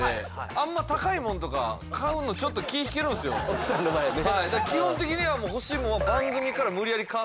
奥さんの前でね。